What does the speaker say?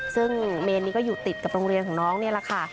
ซึ่งเมนนี้ก็อยู่ติดกับโรงเรียนของน้องนี่แหละค่ะ